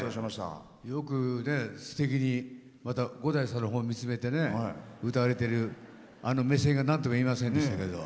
よくすてきにまた伍代さんを見つめて歌われてる目線がなんとも言えませんでしたけど。